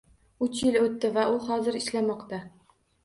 Uch yil oʻtdi va u hozir ishlamoqda.